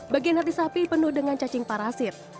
bagian hati sapi penuh dengan cacing parasit